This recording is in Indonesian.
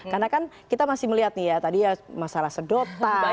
karena kan kita masih melihat nih ya tadi ya masalah sedotan